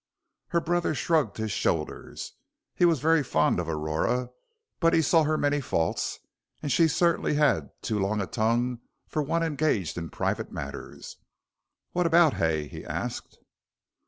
Her brother shrugged his shoulders. He was very fond of Aurora, but he saw her many faults, and she certainly had too long a tongue for one engaged in private matters. "What about Hay?" he asked.